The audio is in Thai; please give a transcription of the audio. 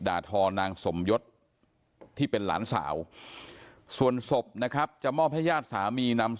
ทอนางสมยศที่เป็นหลานสาวส่วนศพนะครับจะมอบให้ญาติสามีนำ